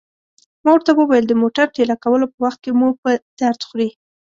ما ورته وویل: د موټر ټېله کولو په وخت کې مو په درد خوري.